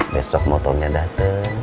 besok motornya dateng